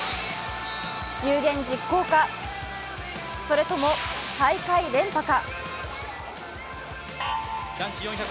有言実行か、それとも大会連覇か。